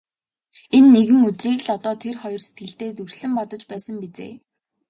Энэ нэгэн өдрийг л одоо тэр хоёр сэтгэлдээ дүрслэн бодож байсан биз ээ.